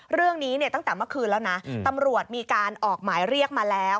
เรื่องนี้เนี่ยตั้งแต่เมื่อคืนแล้วนะตำรวจมีการออกหมายเรียกมาแล้ว